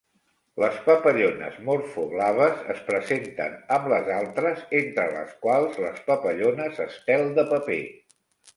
Les papallones morpho blaves es presenten amb les altres, entre les quals les papallones estel de paper.